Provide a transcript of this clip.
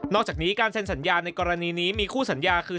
อกจากนี้การเซ็นสัญญาในกรณีนี้มีคู่สัญญาคือ